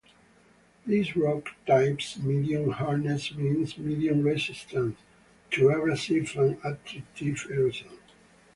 These rock types' medium hardness means medium resistance to abrasive and attritive erosion.